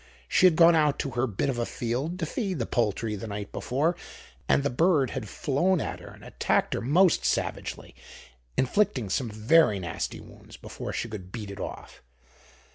She had gone out to her bit of a field to feed the poultry the night before, and the bird had flown at her and attacked her most savagely, inflicting some very nasty wounds before she could beat it off.